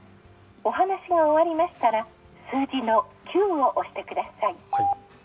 お話が終わりましたら数字の９を押してください。